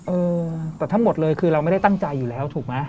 เออแต่ทั้งหมดเลยคือเราไม่ได้ตั้งใจอยู่แล้วถูกไหม